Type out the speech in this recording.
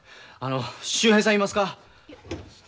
あの秀平さんいますか？